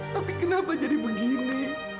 tapi kenapa jadi begini